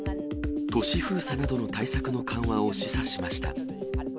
都市封鎖などの対策の緩和を示唆しました。